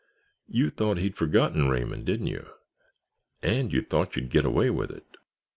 You thought he'd forgotten Raymond, didn't you. And you thought you'd get away with it!